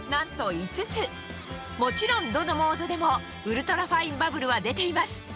もちろんどのモードでもウルトラファインバブルは出ています